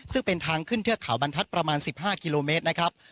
ซึ่งเป็นทางขึ้นเทือกเขาบรรทัศน์ประมาณ๑๕กิโลเมตรนะครับ